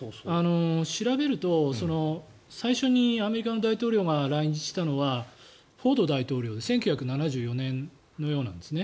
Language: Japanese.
調べると最初にアメリカの大統領が来日したのはフォード大統領１９７４年のようなんです。